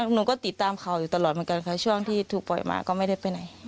หนูก็ติดตามข่าวอยู่ตลอดเหมือนกันค่ะช่วงที่ถูกปล่อยมาก็ไม่ได้ไปไหน